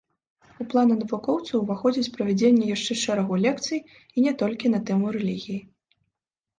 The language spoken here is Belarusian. У планы навукоўца уваходзіць правядзенне яшчэ шэрагу лекцый і не толькі на тэму рэлігіі.